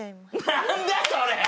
何だそれ！